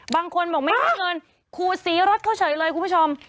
บางคนบอกไม่มีเงินขูดสีรถเขาเฉยเลยคุณผู้ชม